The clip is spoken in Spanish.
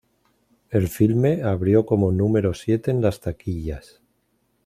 El filme abrió como número siete en las taquillas.